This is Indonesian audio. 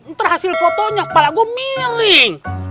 ntar hasil fotonya kepala gua miling